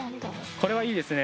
これはいいですね。